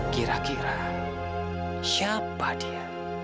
kira kira siapa dia